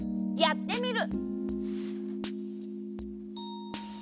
やってみる！